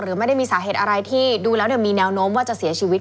ไม่ได้มีสาเหตุอะไรที่ดูแล้วมีแนวโน้มว่าจะเสียชีวิต